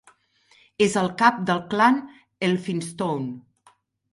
És el cap del clan Elphinstone.